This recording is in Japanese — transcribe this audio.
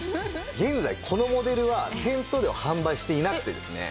現在このモデルは店頭では販売していなくてですね